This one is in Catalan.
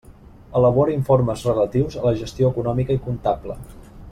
Elabora informes relatius a la gestió econòmica i comptable.